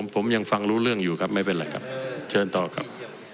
ผมยังฟังรู้เรื่องอยู่ครับไม่เป็นไรครับเชิญต่อครับ